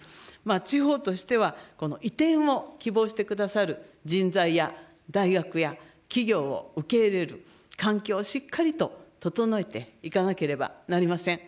地方としては、移転を希望してくださる人材や大学や企業を受け入れる環境をしっかりと整えていかなければなりません。